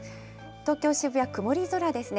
東京・渋谷、曇り空ですね。